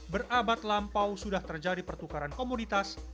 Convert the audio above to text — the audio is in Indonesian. berabad lampau sudah terjadi pertukaran komoditas